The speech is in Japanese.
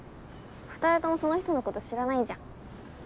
２人ともその人のこと知らないじゃん。